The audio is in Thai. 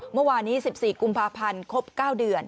เมื่อวานี้๑๔กุมภาพันธ์ครบ๙เดือน